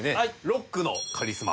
「ロックのカリスマ」？